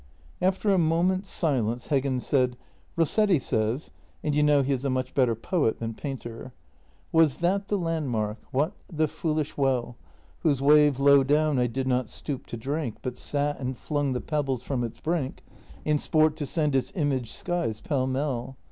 '" After a moment's silence Heggen said: " Rossetti says — and you know he is a much better poet than painter : "'Was that the landmark? What — the foolish well Whose wave, low down, I did not stoop to drink But sat and flung the pebbles from its brink In sport to send its imaged skies pell mell.